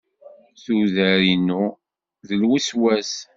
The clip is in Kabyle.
Tuder- inu d lweswas.